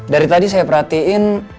dari tadi saya perhatiin